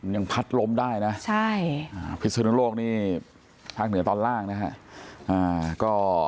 ยังพัดลมได้นะพิษศึกโลกนี้ภาคเหนือตอนล่างนะครับ